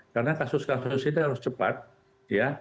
karena kasus kasus ini harus cepat ya